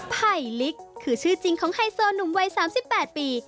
ไผ่ลิกคือชื่อจริงของไฮโซหนุ่มวัย๓๘ปี